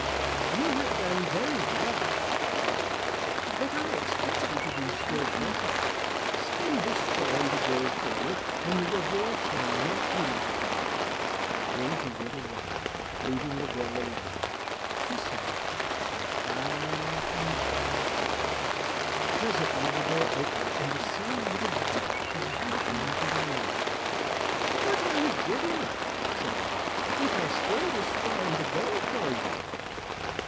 "You have done very well," said he, "but I expect you to do still better. Spin this straw into gold for me and the reward shall not be lacking." Then he went away, leaving the girl alone. She sat and cried and cried. Presently the door opened, and the same little dwarf came hopping into the room. "What will you give me," said he, "if I spin this straw into gold for you?"